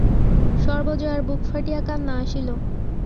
সর্বজয়ার বুক ফাটিয়া কান্না আসিল।